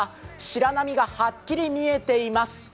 白波がはっきり見えています。